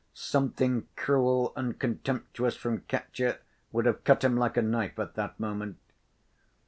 Something cruel and contemptuous from Katya would have cut him like a knife at that moment.